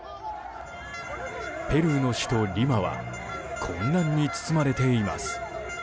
ペルーの首都リマは混乱に包まれています。